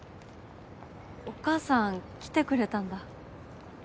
お母さん来てくれたんだ。